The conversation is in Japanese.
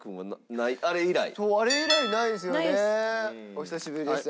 お久しぶりです。